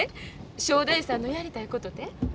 正太夫さんのやりたいことて？